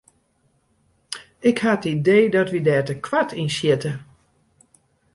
Ik ha it idee dat wy dêr te koart yn sjitte.